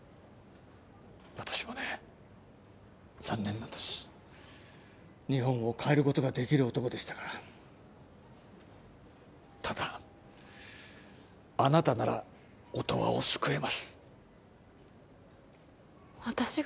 私もね残念なんです日本を変えることができる男でしたからただあなたなら音羽を救えます私が？